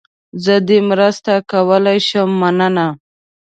زه دې مرسته کولای شم، مننه.